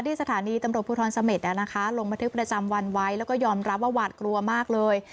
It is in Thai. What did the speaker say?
ตำรวจผู้ท้อนเสม็จลงมาที่ประจำวันไว้แล้วก็ยอมรับว่าหวาดกลัวมากเลย